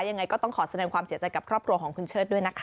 ยังไงก็ต้องขอแสดงความเสียใจกับครอบครัวของคุณเชิดด้วยนะคะ